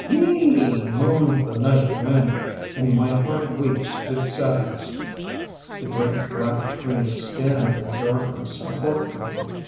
Whee €€ e e e moans the night wind And my heart weeps with sadness. The great black trees stand in the darkness Apart from me.